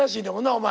お前。